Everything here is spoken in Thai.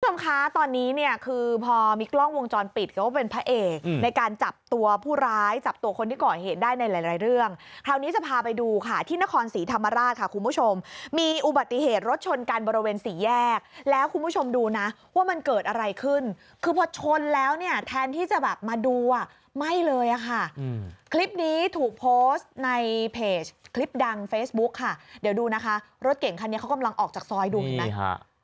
คุณผู้ชมคะตอนนี้เนี่ยคือพอมีกล้องวงจรปิดเขาเป็นพระเอกในการจับตัวผู้ร้ายจับตัวคนที่ก่อเห็นได้ในหลายเรื่องคราวนี้จะพาไปดูค่ะที่นครสีธรรมราชค่ะคุณผู้ชมมีอุบัติเหตุรถชนกันบริเวณสีแยกแล้วคุณผู้ชมดูนะว่ามันเกิดอะไรขึ้นคือพอชนแล้วเนี่ยแทนที่จะแบบมาดูอ่ะไม่เลยอ่ะค่ะคลิปนี้ถ